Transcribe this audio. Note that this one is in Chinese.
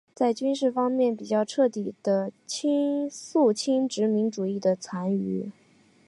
在军事方面比较彻底地肃清殖民主义的残余。